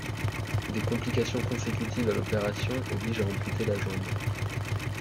Des complications consécutives à l'opération obligent à amputer la jambe.